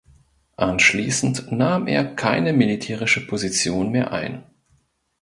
Anschließend nahm er keine militärische Position mehr ein.